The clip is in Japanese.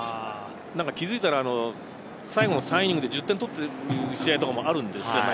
気づいたら最後の３イニングで１０点取っている試合とかもあるんで。